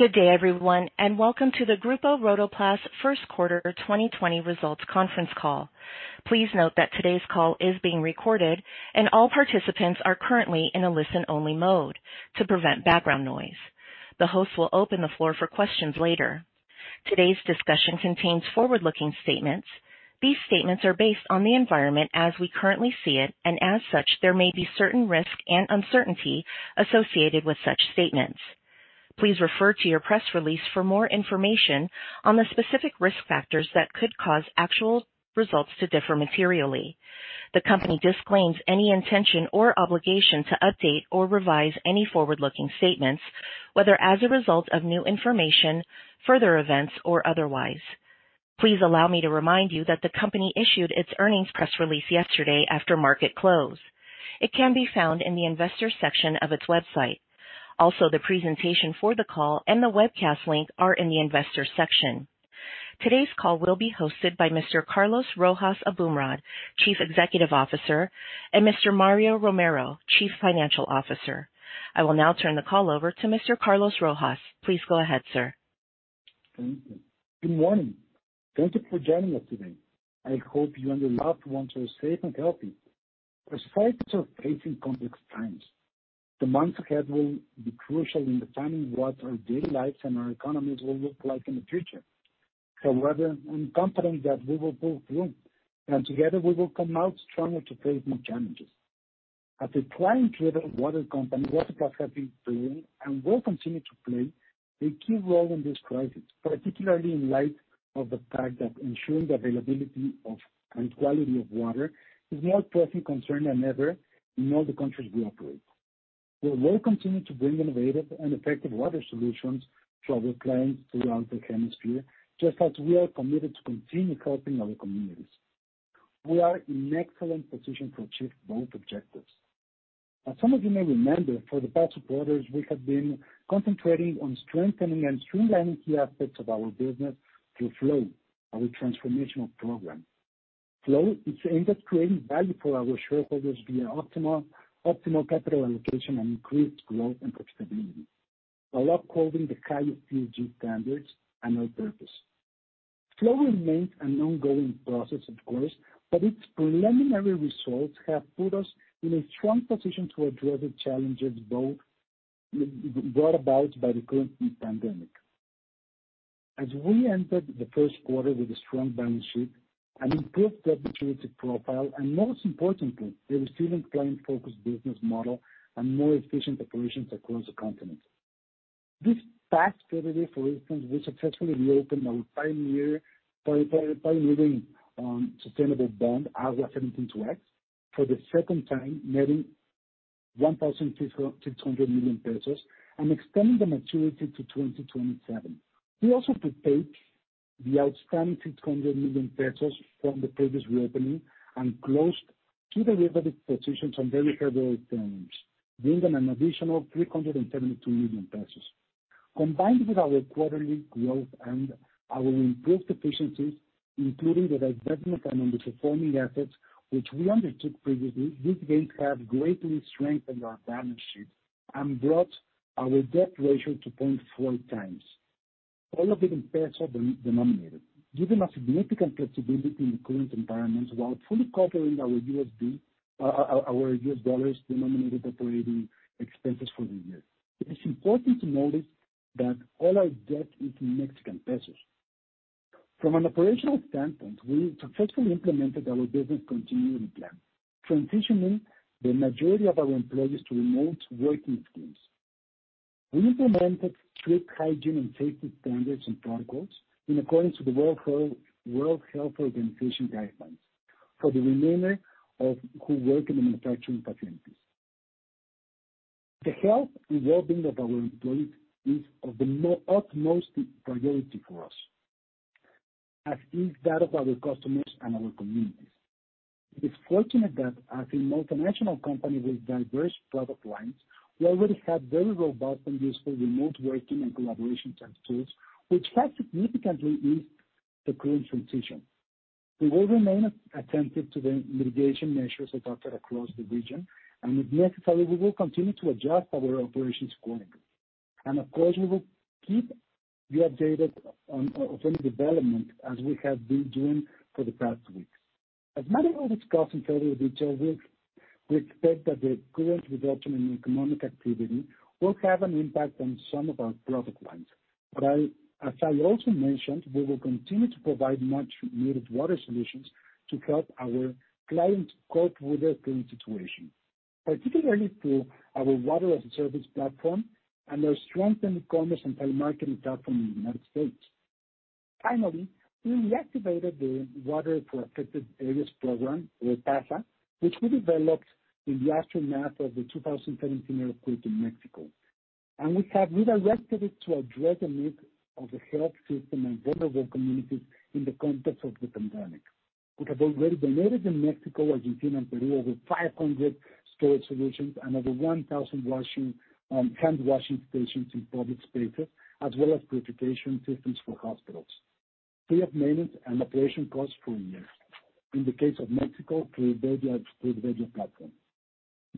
Good day everyone. Welcome to the Grupo Rotoplas first quarter 2020 results conference call. Please note that today's call is being recorded. All participants are currently in a listen-only mode to prevent background noise. The host will open the floor for questions later. Today's discussion contains forward-looking statements. These statements are based on the environment as we currently see it. As such, there may be certain risk and uncertainty associated with such statements. Please refer to your press release for more information on the specific risk factors that could cause actual results to differ materially. The company disclaims any intention or obligation to update or revise any forward-looking statements, whether as a result of new information, further events, or otherwise. Please allow me to remind you that the company issued its earnings press release yesterday after market close. It can be found in the investors section of its website. The presentation for the call and the webcast link are in the investors section. Today's call will be hosted by Mr. Carlos Rojas Aboumrad, Chief Executive Officer, and Mr. Mario Romero, Chief Financial Officer. I will now turn the call over to Mr. Carlos Rojas. Please go ahead, sir. Thank you. Good morning. Thank you for joining us today. I hope you and your loved ones are safe and healthy. As parties are facing complex times, the months ahead will be crucial in determining what our daily lives and our economies will look like in the future. Whether I'm confident that we will both win, and together we will come out stronger to face new challenges. As a client-driven water company, Rotoplas has been playing and will continue to play a key role in this crisis, particularly in light of the fact that ensuring the availability of and quality of water is more pressing concern than ever in all the countries we operate. We will continue to bring innovative and effective water solutions to our clients throughout the hemisphere, just as we are committed to continue helping our communities. We are in excellent position to achieve both objectives. As some of you may remember, for the past quarters, we have been concentrating on strengthening and streamlining key aspects of our business through Flow, our transformational program. Flow is aimed at creating value for our shareholders via optimal capital allocation and increased growth and profitability, while upholding the highest ESG standards and our purpose. Flow remains an ongoing process, of course, but its preliminary results have put us in a strong position to address the challenges brought about by the current pandemic, as we entered the first quarter with a strong balance sheet and improved debt maturity profile, and most importantly, a resilient client-focused business model and more efficient operations across the continent. This past February, for instance, we successfully reopened our pioneering, sustainable bond, AGUA 17-2X, for the second time, netting 1,600 million pesos and extending the maturity to 2027. We also prepaid the outstanding 300 million pesos from the previous reopening and closed two derivative positions on very favorable terms, bringing an additional 372 million pesos. Combined with our quarterly growth and our improved efficiencies, including the divestment on underperforming assets, which we undertook previously, these gains have greatly strengthened our balance sheet and brought our debt ratio to 0.4x. All of it in peso-denominated, giving us significant flexibility in the current environment while fully covering our USD-denominated operating expenses for the year. It is important to note that all our debt is in Mexican pesos. From an operational standpoint, we successfully implemented our business continuity plan, transitioning the majority of our employees to remote working schemes. We implemented strict hygiene and safety standards and protocols in accordance with the World Health Organization guidelines for the remainder of who work in the manufacturing facilities. The health and well-being of our employees is of the utmost priority for us, as is that of our customers and our communities. It is fortunate that as a multinational company with diverse product lines, we already have very robust and useful remote working and collaboration type tools, which has significantly eased the current transition. We will remain attentive to the mitigation measures adopted across the region, and if necessary, we will continue to adjust our operations accordingly. Of course, we will keep you updated on any development as we have been doing for the past weeks. As Mario will discuss in further detail, we expect that the current reduction in economic activity will have an impact on some of our product lines. As I also mentioned, we will continue to provide much needed water solutions to help our clients cope with the current situation, particularly through our Water As A Service platform and our strengthened commerce and telemarketing platform in the United States. Finally, we reactivated the Water for Affected Areas program, PAZA, which we developed in the aftermath of the 2017 earthquake in Mexico, and we have redirected it to address the needs of the health system and vulnerable communities in the context of the pandemic. We have already donated in Mexico, Argentina, and Peru over 500 storage solutions and over 1,000 handwashing stations in public spaces, as well as purification systems for hospitals, free of maintenance and operation costs for one year. In the case of Mexico, through their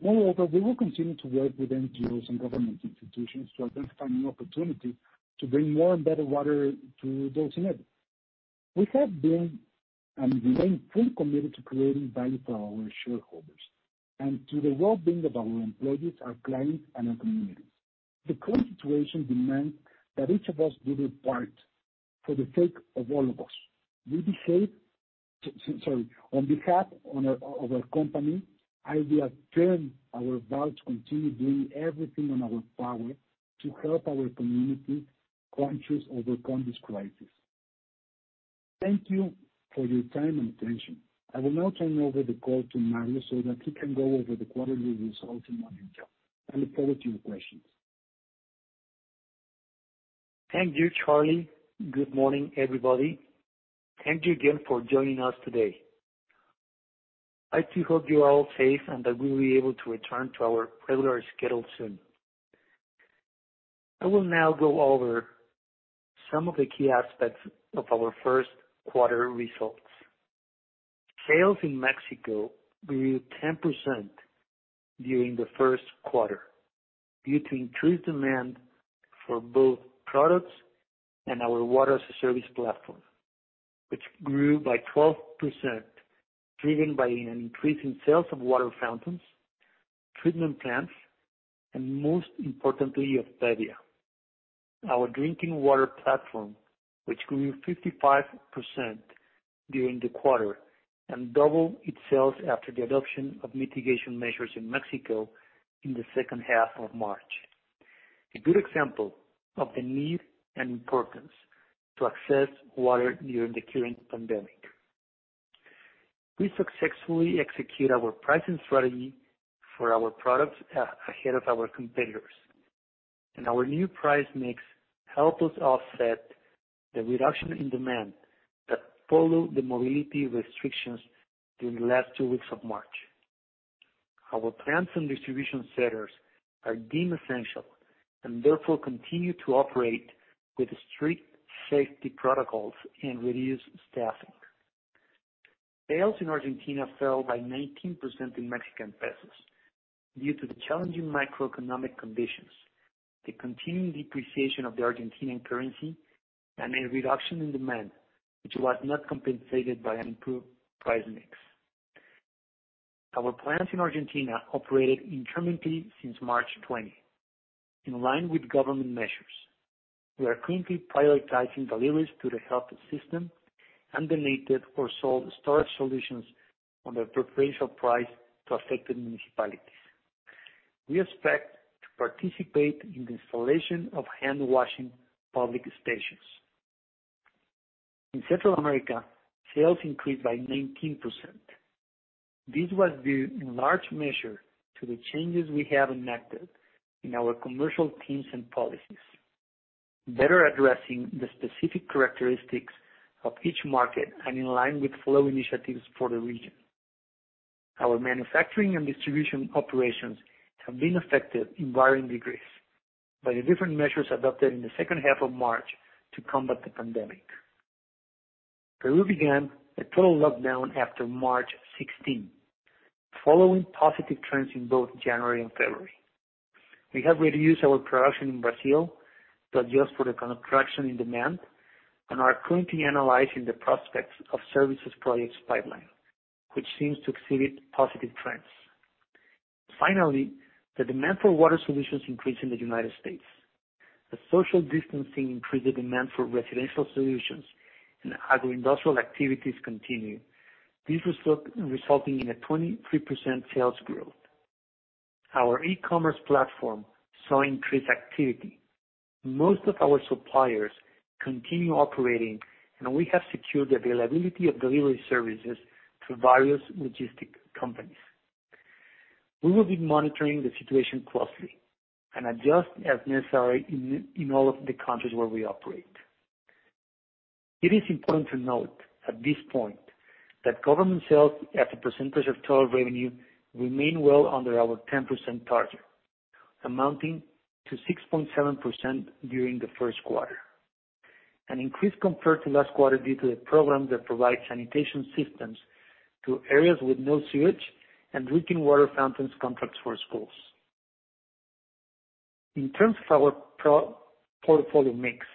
platform. Moreover, we will continue to work with NGOs and government institutions to identify new opportunities to bring more and better water to those in need. We have been, and remain, fully committed to creating value for our shareholders and to the well-being of our employees, our clients, and our communities. The current situation demands that each of us do their part for the sake of all of us. On behalf of our company, I reaffirm our vow to continue doing everything in our power to help our community conscious overcome this crisis. Thank you for your time and attention. I will now turn over the call to Mario so that he can go over the quarterly results in more detail and look forward to your questions. Thank you, Charlie. Good morning, everybody. Thank you again for joining us today. I, too, hope you are all safe and that we'll be able to return to our regular schedule soon. I will now go over some of the key aspects of our first quarter results. Sales in Mexico grew 10% during the first quarter due to increased demand for both products and our Water As A Service platform, which grew by 12%, driven by an increase in sales of water fountains, treatment plants, and most importantly, of Bebbia, our drinking water platform, which grew 55% during the quarter and doubled its sales after the adoption of mitigation measures in Mexico in the second half of March, a good example of the need and importance to access water during the current pandemic. We successfully execute our pricing strategy for our products ahead of our competitors, and our new price mix helped us offset the reduction in demand that followed the mobility restrictions during the last two weeks of March. Our plants and distribution centers are deemed essential, and therefore continue to operate with strict safety protocols and reduced staffing. Sales in Argentina fell by 19% in MXN due to the challenging macroeconomic conditions, the continued depreciation of the Argentinian currency, and a reduction in demand, which was not compensated by an improved price mix. Our plants in Argentina operated intermittently since March 20. In line with government measures, we are currently prioritizing deliveries to the health system and donated or sold storage solutions on a preferential price to affected municipalities. We expect to participate in the installation of handwashing public stations. In Central America, sales increased by 19%. This was due in large measure to the changes we have enacted in our commercial teams and policies, better addressing the specific characteristics of each market and in line with FLOW initiatives for the region. Our manufacturing and distribution operations have been affected in varying degrees by the different measures adopted in the second half of March to combat the pandemic. Peru began a total lockdown after March 16, following positive trends in both January and February., We have reduced our production in Brazil to adjust for the contraction in demand and are currently analyzing the prospects of services projects pipeline, which seems to exhibit positive trends. Finally, the demand for water solutions increased in the United States as social distancing increased the demand for residential solutions and agro-industrial activities continued, this resulting in a 23% sales growth. Our e-commerce platform saw increased activity. Most of our suppliers continue operating, and we have secured the availability of delivery services through various logistic companies. We will be monitoring the situation closely and adjust as necessary in all of the countries where we operate. It is important to note at this point that government sales as a percentage of total revenue remain well under our 10% target, amounting to 6.7% during the first quarter. An increase compared to last quarter due to the program that provides sanitation systems to areas with no sewage and drinking water fountains contracts for schools. In terms of our portfolio mix,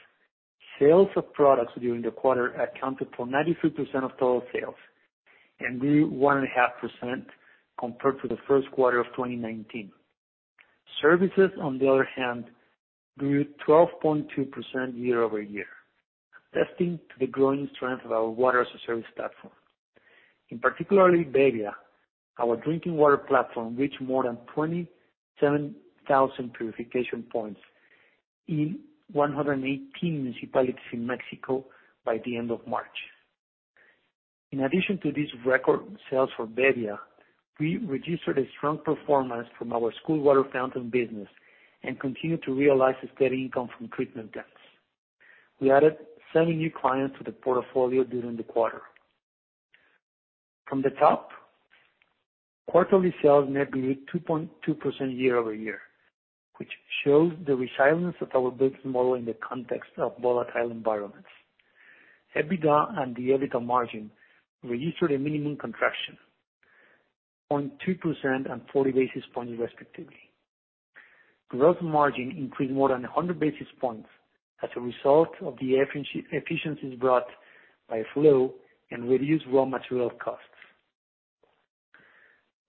sales of products during the quarter accounted for 93% of total sales and grew 1.5% compared to the first quarter of 2019. Services, on the other hand, grew 12.2% year-over-year, attesting to the growing strength of our Water As A Service platform. In particular, Bebbia, our drinking water platform, reached more than 27,000 purification points in 118 municipalities in Mexico by the end of March. In addition to these record sales for Bebbia, we registered a strong performance from our school water fountain business and continue to realize a steady income from treatment plants. We added 70 new clients to the portfolio during the quarter. From the top, quarterly sales net grew 2.2% year-over-year, which shows the resilience of our business model in the context of volatile environments. EBITDA and the EBITDA margin registered a minimum contraction, 0.2% and 40 basis points, respectively. Gross margin increased more than 100 basis points as a result of the efficiencies brought by FLOW and reduced raw material costs.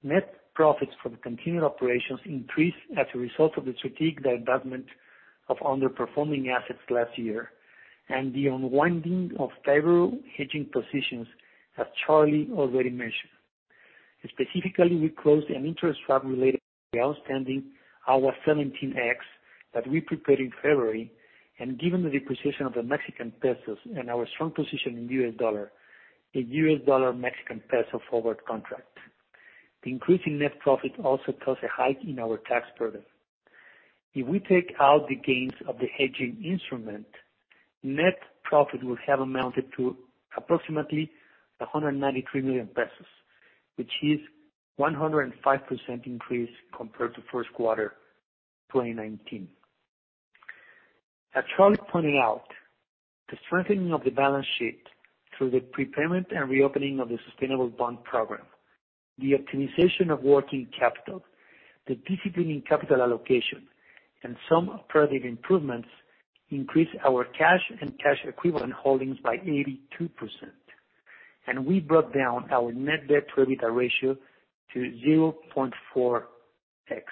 Net profits for the continued operations increased as a result of the strategic divestment of underperforming assets last year, and the unwinding of favorable hedging positions, as Charlie already mentioned. Specifically, we closed an interest swap related to the outstanding AGUA 17X that we prepared in February, and given the depreciation of the Mexican pesos and our strong position in U.S. dollars, a U.S. dollar Mexican peso forward contract. The increase in net profit also caused a hike in our tax burden. If we take out the gains of the hedging instrument, net profit will have amounted to approximately 193 million pesos, which is 105% increase compared to first quarter 2019. As Charlie pointed out, the strengthening of the balance sheet through the prepayment and reopening of the sustainable bond program, the optimization of working capital, the disciplining capital allocation, and some operative improvements increased our cash and cash equivalent holdings by 82%. We brought down our net debt to EBITDA ratio to 0.4x,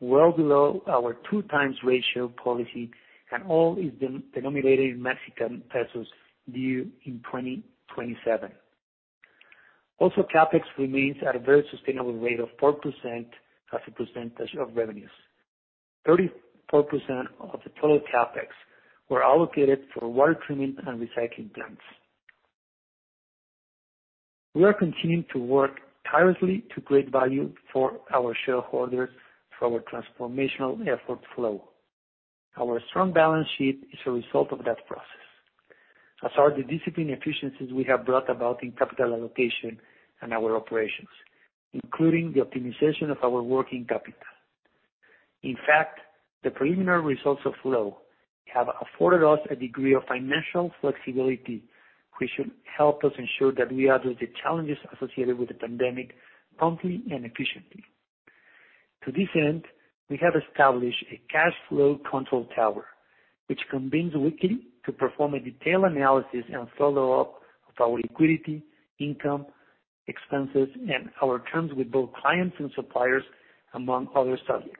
well below our 2x ratio policy, and all is denominated in Mexican pesos due in 2027. CapEx remains at a very sustainable rate of 4% as a percentage of revenues. 34% of the total CapEx were allocated for water treatment and recycling plants. We are continuing to work tirelessly to create value for our shareholders through our transformational effort FLOW. Our strong balance sheet is a result of that process, as are the discipline efficiencies we have brought about in capital allocation and our operations, including the optimization of our working capital. In fact, the preliminary results of FLOW have afforded us a degree of financial flexibility, which should help us ensure that we address the challenges associated with the pandemic promptly and efficiently. To this end, we have established a cash flow control tower, which convenes weekly to perform a detailed analysis and follow-up of our liquidity, income, expenses, and our terms with both clients and suppliers, among other subjects.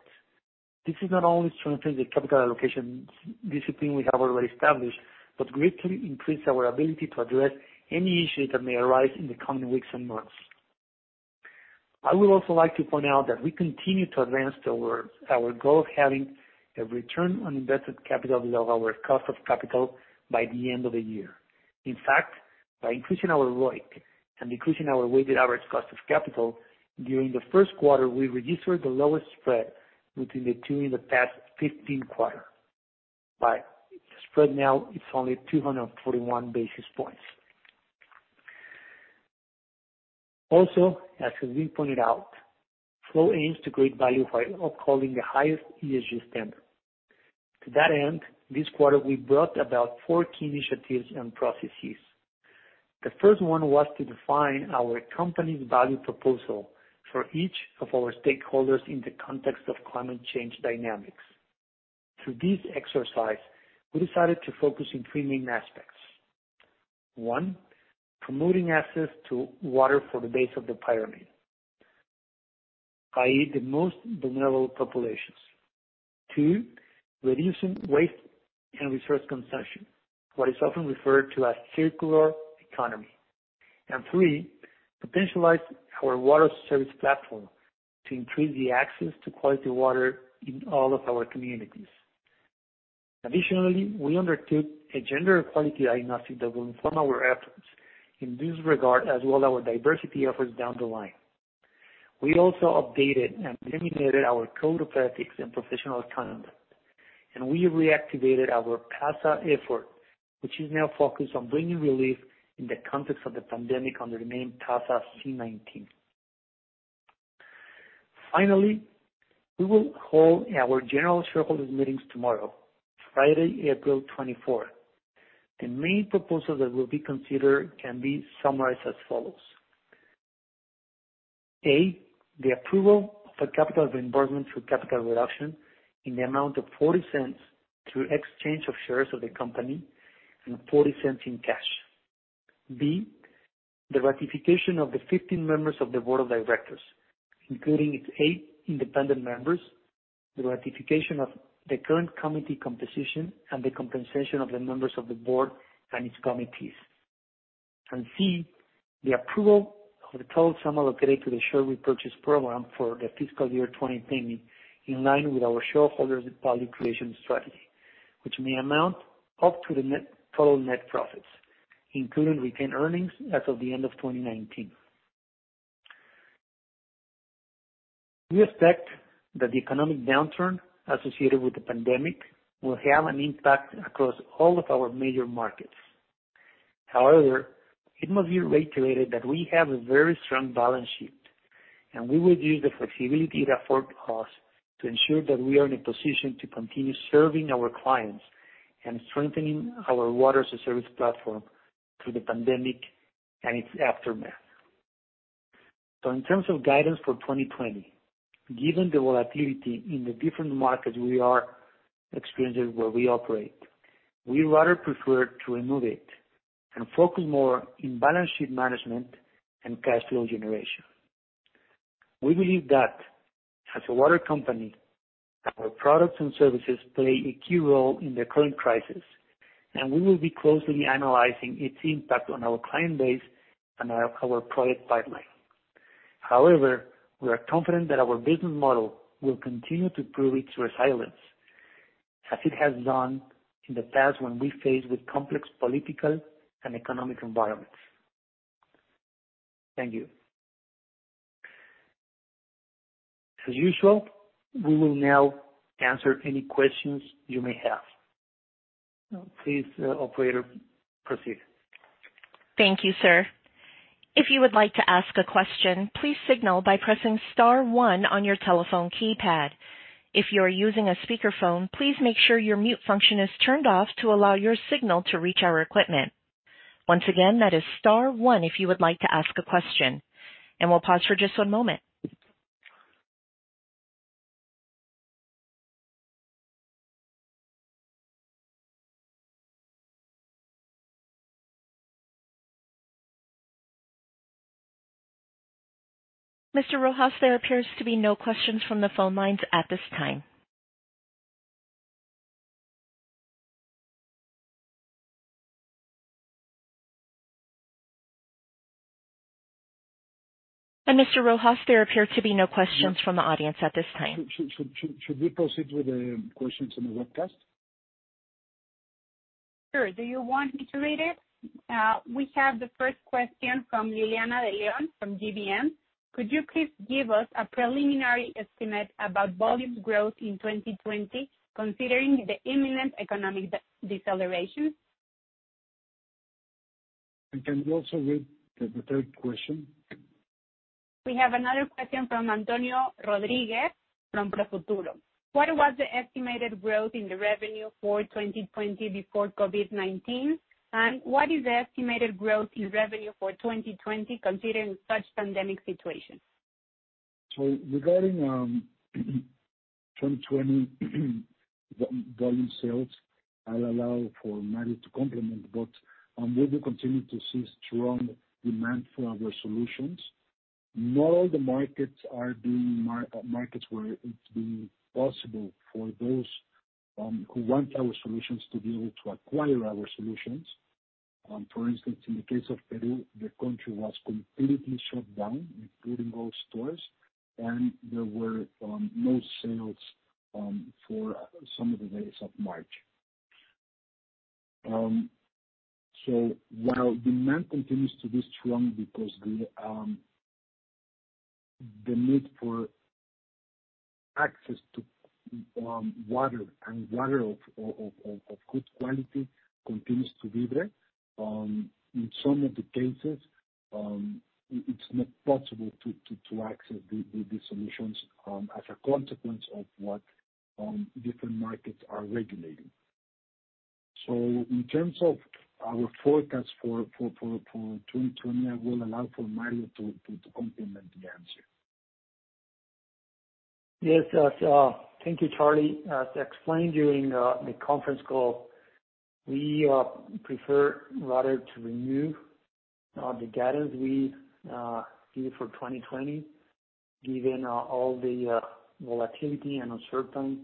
This is not only strengthening the capital allocation discipline we have already established, but greatly increase our ability to address any issue that may arise in the coming weeks and months. I would also like to point out that we continue to advance towards our goal of having a return on invested capital below our cost of capital by the end of the year. In fact, by increasing our ROIC and decreasing our weighted average cost of capital, during the first quarter, we registered the lowest spread between the two in the past 15 quarters. By spread now, it's only 241 basis points. Also, as we pointed out, FLOW aims to create value by upholding the highest ESG standard. To that end, this quarter, we brought about four key initiatives and processes. The first one was to define our company's value proposal for each of our stakeholders in the context of climate change dynamics. Through this exercise, we decided to focus on three main aspects. One, promoting access to water for the base of the pyramid, i.e., the most vulnerable populations. Two, reducing waste and resource consumption, what is often referred to as circular economy. Three, potentialize our water service platform to increase the access to quality water in all of our communities. Additionally, we undertook a gender equality diagnostic that will inform our efforts in this regard, as well our diversity efforts down the line. We also updated and eliminated our code of ethics and professional conduct. We reactivated our PAZA effort, which is now focused on bringing relief in the context of the pandemic under the name PAZA C-19. Finally, we will hold our general shareholders meetings tomorrow, Friday, April 24th. The main proposals that will be considered can be summarized as follows. A, the approval of a capital reimbursement through capital reduction in the amount of 0.40 through exchange of shares of the company and 0.40 in cash. B, the ratification of the 15 members of the board of directors, including its eight independent members, the ratification of the current committee composition, and the compensation of the members of the board and its committees. C, the approval of the total sum allocated to the share repurchase program for the fiscal year 2020, in line with our shareholders' value creation strategy, which may amount up to the total net profits, including retained earnings as of the end of 2019. We expect that the economic downturn associated with the pandemic will have an impact across all of our major markets. However, it must be reiterated that we have a very strong balance sheet. We will use the flexibility that affords us to ensure that we are in a position to continue serving our clients and strengthening our Water As A Service platform through the pandemic and its aftermath. In terms of guidance for 2020, given the volatility in the different markets we are experiencing where we operate, we rather prefer to remove it and focus more on balance sheet management and cash flow generation. We believe that as a water company, our products and services play a key role in the current crisis, and we will be closely analyzing its impact on our client base and our product pipeline. However, we are confident that our business model will continue to prove its resilience as it has done in the past when we faced with complex political and economic environments. Thank you. As usual, we will now answer any questions you may have. Please, operator, proceed. Thank you, sir. If you would like to ask a question, please signal by pressing star one on your telephone keypad. If you are using a speakerphone, please make sure your mute function is turned off to allow your signal to reach our equipment. Once again, that is star one if you would like to ask a question, and we'll pause for just one moment. Mr. Rojas, there appears to be no questions from the phone lines at this time. Mr. Rojas, there appear to be no questions from the audience at this time. Should we proceed with the questions on the webcast? Sure. Do you want me to read it? We have the first question from Liliana De Leon from GBM. Could you please give us a preliminary estimate about volume growth in 2020, considering the imminent economic deceleration? Can you also read the third question? We have another question from Antonio Rodriguez from Profuturo. What was the estimated growth in the revenue for 2020 before COVID-19? What is the estimated growth in revenue for 2020 considering such pandemic situation? Regarding 2020 volume sales, I'll allow for Mario to complement, but we do continue to see strong demand for our solutions. Not all the markets where it's been possible for those who want our solutions to be able to acquire our solutions. For instance, in the case of Peru, the country was completely shut down, including all stores, and there were no sales for some of the days of March. While demand continues to be strong because the need for access to water and water of good quality continues to be there. In some of the cases, it's not possible to access the solutions, as a consequence of what different markets are regulating. In terms of our forecast for 2020, I will allow for Mario to complement the answer. Yes. Thank you, Charlie. As explained during the conference call, we prefer rather to remove the guidance we gave for 2020, given all the volatility and uncertain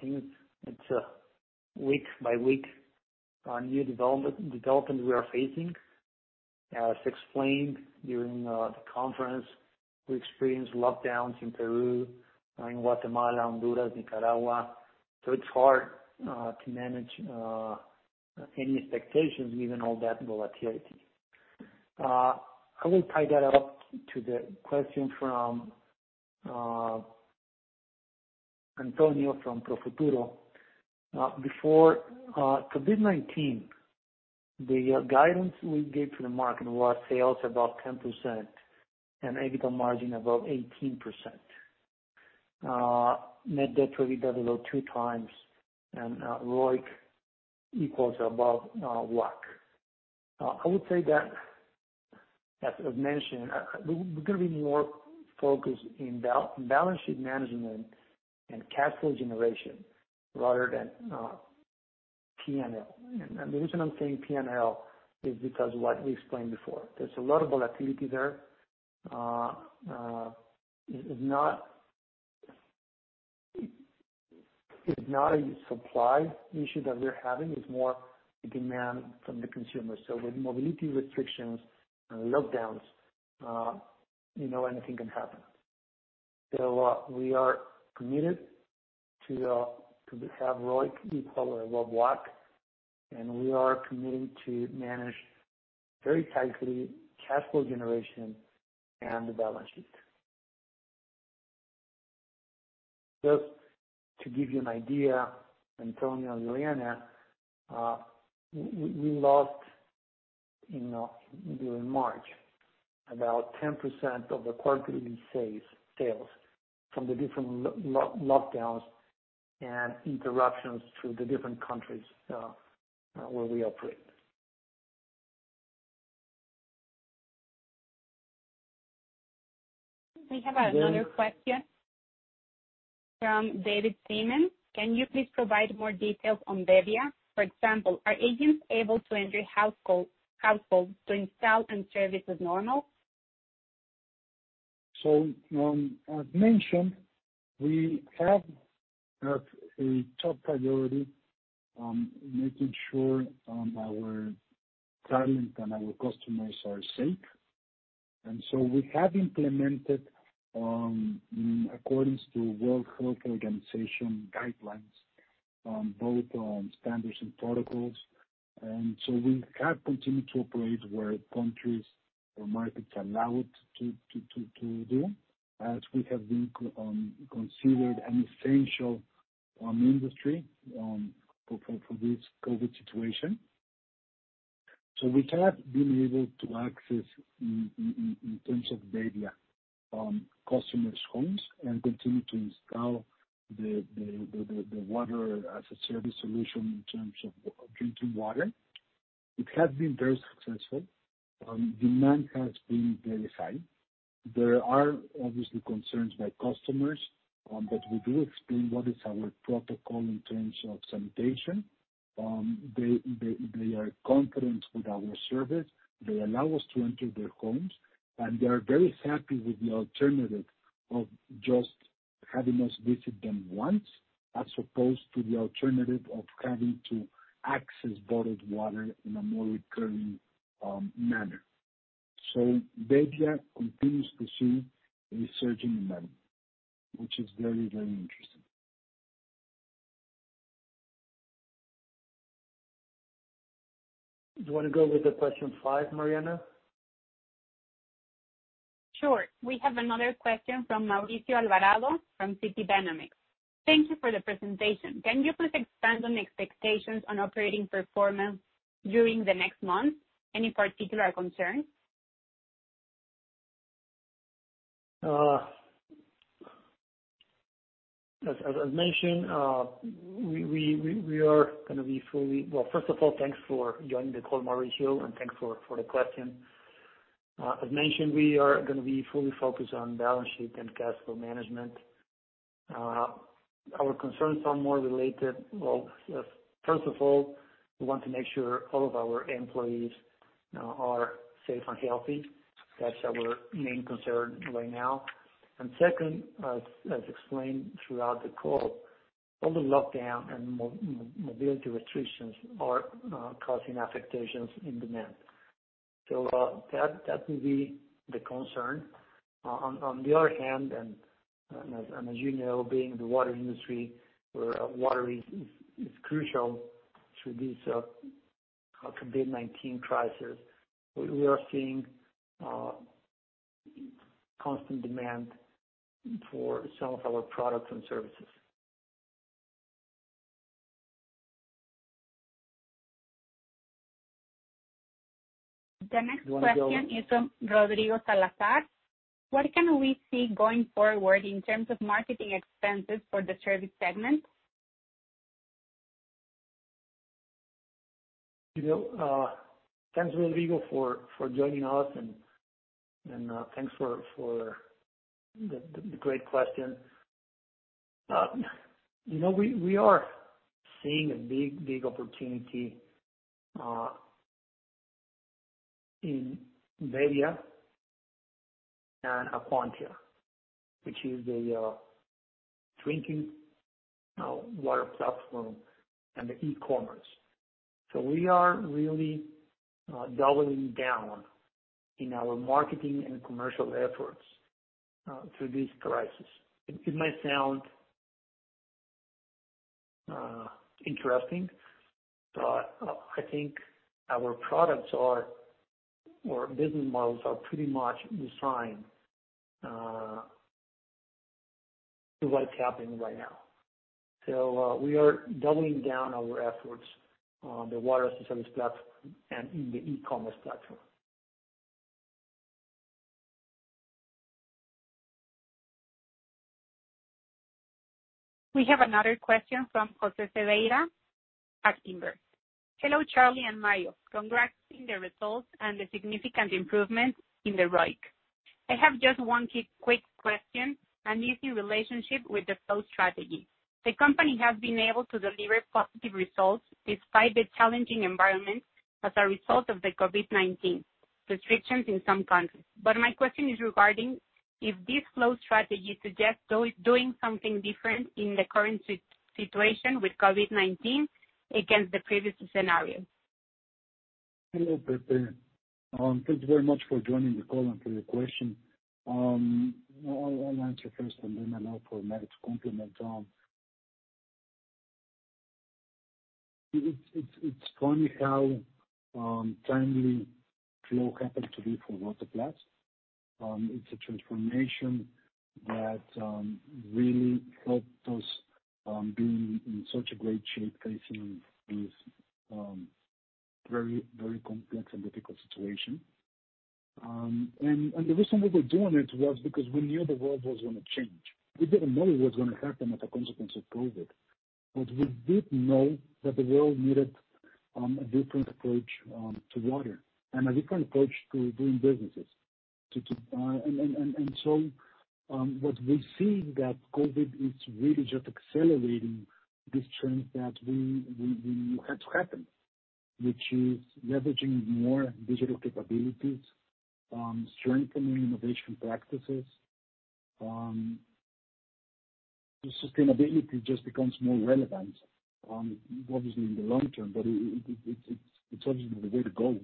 things. It's a week by week new development we are facing. As explained during the conference, we experienced lockdowns in Peru, in Guatemala, Honduras, Nicaragua, it's hard to manage any expectations given all that volatility. I will tie that up to the question from Antonio from Profuturo. Before COVID-19, the guidance we gave to the market was sales above 10% and EBITDA margin above 18%. Net debt to EBITDA 2 times, ROIC equals above WACC. I would say that, as I've mentioned, we're going to be more focused in balance sheet management and cash flow generation rather than P&L. The reason I'm saying P&L is because of what we explained before. There's a lot of volatility there. It's not a supply issue that we're having, it's more a demand from the consumer. With mobility restrictions and lockdowns, anything can happen. We are committed to have ROIC equal or above WACC, and we are committed to manage very tightly cash flow generation and the balance sheet. Just to give you an idea, Antonio and Liliana, we lost, during March, about 10% of the quarterly sales from the different lockdowns and interruptions through the different countries where we operate. We have another question from David Seaman. Can you please provide more details on Bebbia? For example, are agents able to enter households to install and service as normal? As mentioned, we have as a top priority, making sure our talent and our customers are safe. We have implemented, in accordance to World Health Organization guidelines, both on standards and protocols. We have continued to operate where countries or markets allow it to do, as we have been considered an essential industry, for this COVID situation. We have been able to access, in terms of Bebbia, customers' homes and continue to install the Water As A Service solution in terms of drinking water. It has been very successful. Demand has been very high. There are obviously concerns by customers, but we do explain what is our protocol in terms of sanitation. They are confident with our service. They allow us to enter their homes, and they are very happy with the alternative of just having us visit them once, as opposed to the alternative of having to access bottled water in a more recurring manner. Bebbia continues to see a surge in demand, which is very, very interesting. Do you want to go with the question five, Mariana? Sure. We have another question from Mauricio Alvarado, from City Dynamics. Thank you for the presentation. Can you please expand on expectations on operating performance during the next month? Any particular concerns? Well, first of all, thanks for joining the call, Mauricio, and thanks for the question. As mentioned, we are going to be fully focused on balance sheet and cash flow management. Our concerns are more related. Well, first of all, we want to make sure all of our employees are safe and healthy. That's our main concern right now. Second, as explained throughout the call, all the lockdown and mobility restrictions are causing affectations in demand. That will be the concern. On the other hand, as you know, being in the water industry, where water is crucial through this COVID-19 crisis, we are seeing constant demand for some of our products and services. The next question is from Rodrigo Salazar. What can we see going forward in terms of marketing expenses for the service segment? Thanks, Rodrigo, for joining us, and thanks for the great question. We are seeing a big opportunity in Bebbia and Acuantia, which is the drinking water platform and the e-commerce. We are really doubling down in our marketing and commercial efforts through this crisis. It might sound interesting, but I think our products or business models are pretty much designed to what is happening right now. We are doubling down our efforts on the Water As A Service platform and in the e-commerce platform. We have another question from José Cervera at Invex. Hello, Charlie and Mario. Congrats in the results and the significant improvements in the ROIC. I have just one quick question, and is in relationship with the FLOW strategy. The company has been able to deliver positive results despite the challenging environment as a result of the COVID-19 restrictions in some countries. My question is regarding if this FLOW strategy suggests doing something different in the current situation with COVID-19 against the previous scenario. Hello, José. Thank you very much for joining the call and for your question. I'll answer first, for Mario to complement. It's funny how timely FLOW happened to be for Rotoplas. It's a transformation that really helped us be in such a great shape facing this very complex and difficult situation. The reason we were doing it was because we knew the world was going to change. We didn't know what's going to happen as a consequence of COVID, but we did know that the world needed a different approach to water and a different approach to doing businesses. What we see that COVID is really just accelerating this trend that we knew had to happen, which is leveraging more digital capabilities, strengthening innovation practices. The sustainability just becomes more relevant, obviously in the long term, but it's obviously the way to go,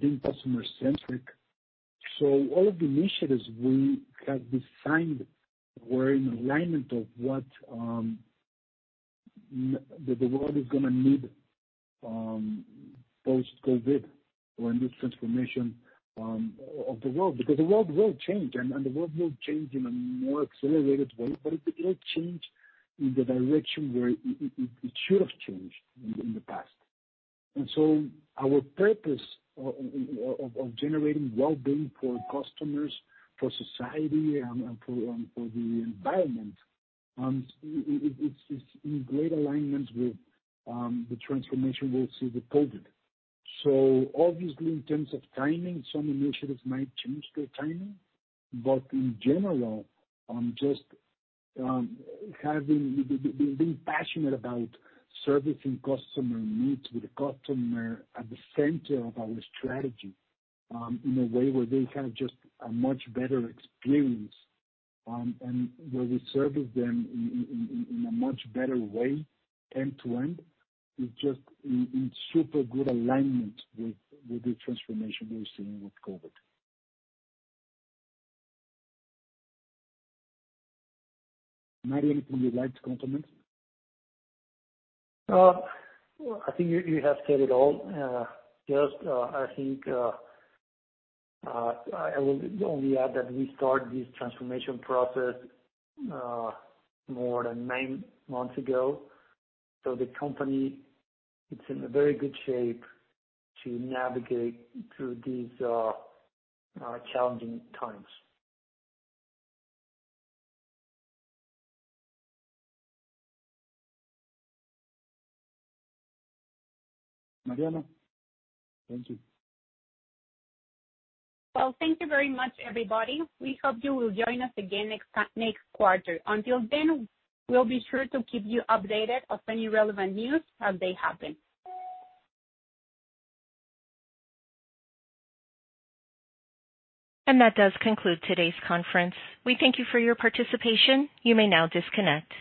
being customer-centric. All of the initiatives we had designed were in alignment of what the world is going to need post-COVID or a new transformation of the world, because the world will change, and the world will change in a more accelerated way, but it will change in the direction where it should have changed in the past. Our purpose of generating well-being for customers, for society, and for the environment, it's in great alignment with the transformation we see with COVID. Obviously, in terms of timing, some initiatives might change their timing, but in general, just being passionate about servicing customer needs, with the customer at the center of our strategy, in a way where they have just a much better experience, and where we service them in a much better way end-to-end, is just in super good alignment with the transformation we're seeing with COVID. Mario, would you like to complement? I think you have said it all. Just, I think, I will only add that we start this transformation process more than nine months ago. The company, it's in a very good shape to navigate through these challenging times. Mariana? Thank you. Thank you very much, everybody. We hope you will join us again next quarter. Until then, we'll be sure to keep you updated of any relevant news as they happen. That does conclude today's conference. We thank you for your participation. You may now disconnect.